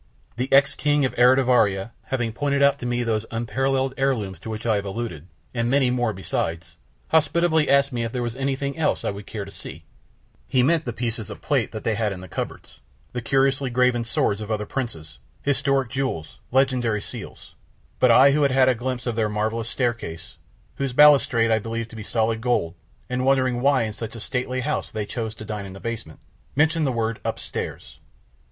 The ex King of Eritivaria having pointed out to me those unparalleled heirlooms to which I have alluded, and many more besides, hospitably asked me if there was anything else that I would care to see, he meant the pieces of plate that they had in the cupboards, the curiously graven swords of other princes, historic jewels, legendary seals, but I who had had a glimpse of their marvelous staircase, whose balustrade I believed to be solid gold and wondering why in such a stately house they chose to dine in the basement, mentioned the word "upstairs."